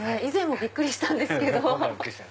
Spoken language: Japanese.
以前もびっくりしたんですけど。